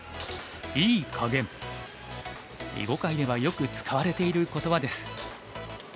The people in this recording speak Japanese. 囲碁界ではよく使われている言葉です。